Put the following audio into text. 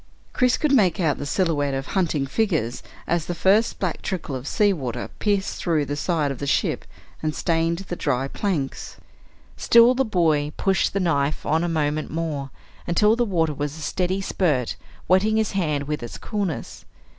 Chris could make out the silhouette of hunting figures as the first black trickle of sea water pierced through the side of the ship and stained the dry planks. Still the boy pushed the knife on a moment more until the water was a steady spurt, wetting his hand with its coolness.